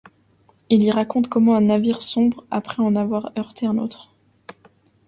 Il y raconte comment un navire sombre après en avoir heurté un autre.